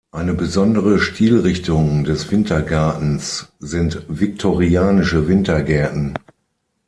Eine besondere Stilrichtung des Wintergartens sind viktorianische Wintergärten.